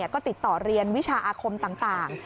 ก็ติดต่อเรียนวิชาอาคมต่าง